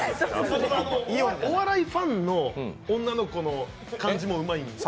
お笑いファンの女の子の感じもうまいんです。